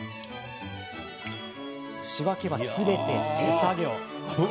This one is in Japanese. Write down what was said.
仕分けは、すべて手作業。